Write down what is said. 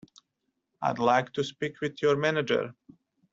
I'd like to speak with your manager.